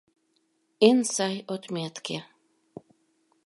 ЭН САЙ ОТМЕТКЕ